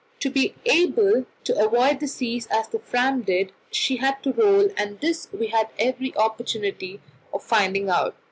To be able to avoid the seas as the Fram did, she had to roll, and this we had every opportunity of finding out.